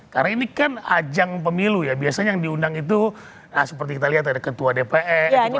karena ini kan ajang pemilu ya biasanya yang diundang itu seperti kita lihat ada ketua dpr ketua mpr